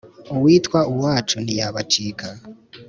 Uwitwa uwacu ntiyabacika